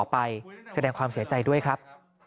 ไปแสดงความเสียใจด้วยครับ